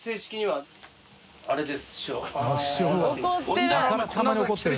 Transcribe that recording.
あからさまに怒ってる。